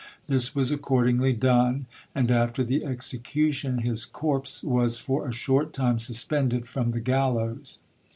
This was accordingly done, and after the execution his corps was for a short time suspended from the gallows.